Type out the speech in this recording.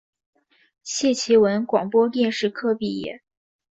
谢其文广播电视科毕业。